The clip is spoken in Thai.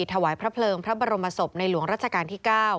ถวายพระเพลิงพระบรมศพในหลวงรัชกาลที่๙